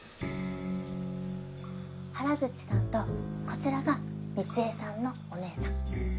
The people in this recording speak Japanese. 原口さんとこちらが光枝さんのお姉さん。